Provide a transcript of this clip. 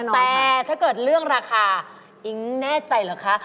แต่ถ้าเกิดเรื่องราคาอิ๊งแน่ใจเหรอคะ